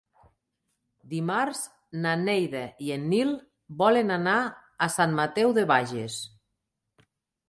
Dimarts na Neida i en Nil volen anar a Sant Mateu de Bages.